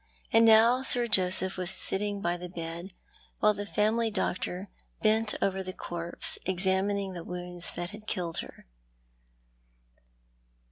And now Sir Joseph was sitting by the bed, while the family doctor bent over the corj^se, examining the wounds that had killed her.